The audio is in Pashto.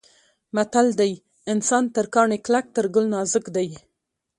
متل دی: انسان تر کاڼي کلک تر ګل نازک دی.